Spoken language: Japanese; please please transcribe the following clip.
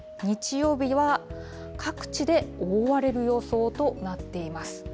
日曜日は各地で覆われる予想となっています。